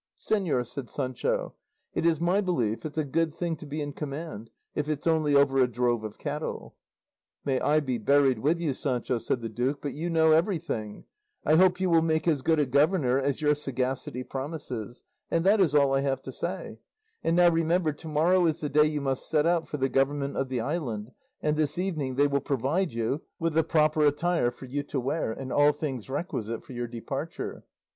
"Señor," said Sancho, "it is my belief it's a good thing to be in command, if it's only over a drove of cattle." "May I be buried with you, Sancho," said the duke, "but you know everything; I hope you will make as good a governor as your sagacity promises; and that is all I have to say; and now remember to morrow is the day you must set out for the government of the island, and this evening they will provide you with the proper attire for you to wear, and all things requisite for your departure."